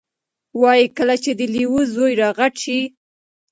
وایي کله چې د لیوه زوی را غټ شي،